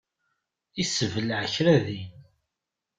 Yessebleε kra din.